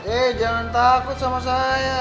eh jangan takut sama saya